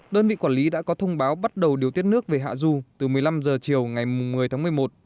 đơn vị quản lý đã có thông báo bắt đầu điều tiết nước về hạ du từ một mươi năm h chiều ngày một mươi tháng một mươi một